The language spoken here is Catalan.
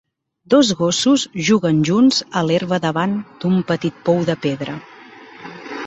Dos gossos juguen junts a l'herba davant d'un petit pou de pedra.